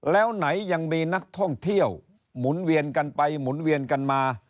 แล้วไหนยังมีนักท่องเที่ยวหมุนเวียนกันไปหมุนเวียนกันมา